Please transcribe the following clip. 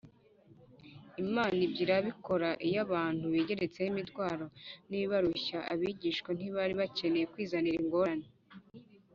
imana ibyo irabikora iyo abantu bigeretseho imitwaro n’ibibarushya abigishwa ntibari bakeneye kwizanira ingorane